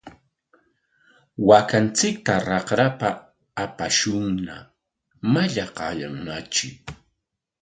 Waakanchikta raqrapa apashunña, mallaqnaykaayanñatri.